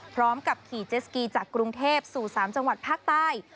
พร้อมกับขี่เจสกีจากกรุงเทพสู่๓จังหวัดภาคใต้